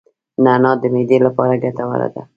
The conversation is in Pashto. نعناع د معدې لپاره ګټوره ده